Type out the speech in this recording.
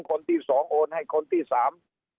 คนที่สองโอนให้คนที่สาม